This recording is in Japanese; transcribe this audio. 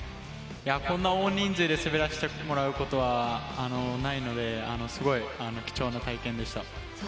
こんな大人数で滑らせてもらうことはないのですごい貴重な体験でした。